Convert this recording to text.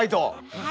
はい。